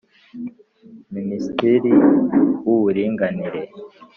minisitiri w’uburinganire